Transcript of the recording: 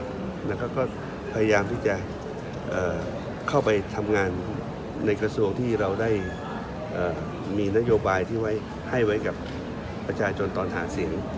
แล้วก็พยายามที่จะเข้าไปทำงานในกระทรวงที่เราได้มีนโยบายที่ไว้ให้ไว้กับประชาชนตอนหาเสียง